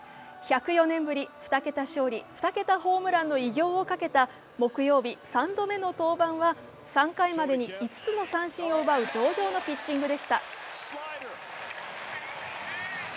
１０４年ぶり２桁勝利２桁ホームランの偉業をかけた木曜日、３度目の登板は３回までに５つの三振を奪う上々のピッチングでした。